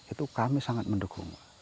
itu kami sangat mendukung